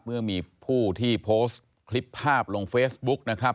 เมื่อมีผู้ที่โพสต์คลิปภาพลงเฟซบุ๊กนะครับ